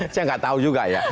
saya nggak tahu juga ya